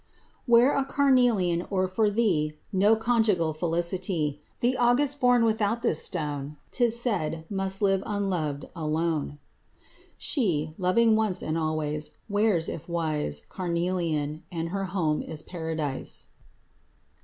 Wear a carnelian or for thee No conjugal felicity; The August born without this stone, 'Tis said, must live unloved, alone. She, loving once and always, wears, if wise, Carnelian—and her home is paradise.